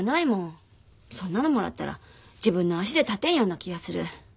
そんなのもらったら自分の足で立てんような気がする。